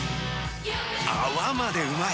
泡までうまい！